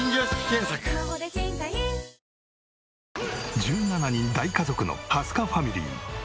１７人大家族の蓮香ファミリー。